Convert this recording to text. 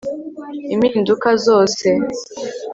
impinduka zose